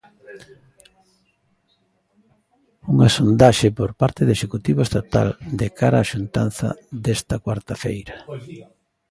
Unha sondaxe por parte do Executivo estatal de cara á xuntanza desta cuarta feira.